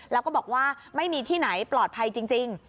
แล้วก็บอกว่าไม่มีที่ไหนปลอดภัยจริง